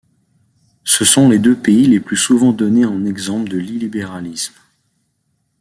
Ce sont les deux pays les plus souvent donnés en exemple de l'illibéralisme.